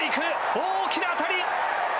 大きな当たり。